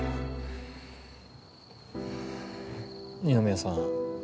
二宮さん。